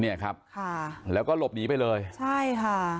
เนี่ยครับค่ะแล้วก็หลบหนีไปเลยใช่ค่ะ